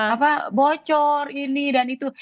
apa bocor ini dan itu